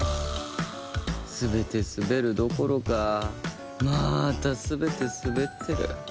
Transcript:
全て統べるどころかまた全てスベってる。